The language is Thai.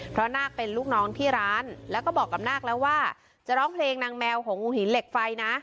เพราะนาคเป็นลูกน้องที่ร้านแล้วก็บอกกับนาคแล้วว่าจะร้องเพลงนางแมวหงหินเหล็กไฟนะ